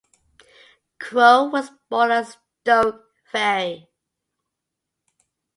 Crowe was born at Stoke Ferry.